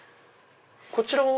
こちらは？